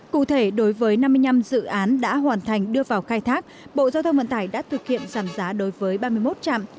cụ thể đối với năm mươi năm dự án đã hoàn thành đưa vào khai thác bộ giao thông vận tải đã thực hiện giảm giá đối với ba mươi một trạm